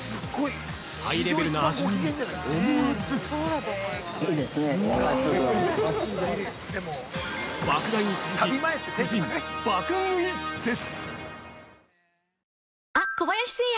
ハイレベルな味にも思わず爆買いに続き夫人、爆食いです。